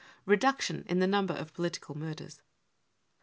cc Reduction in the Number of Political Murders."